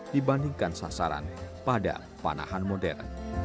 dibandingkan sasaran pada panahan modern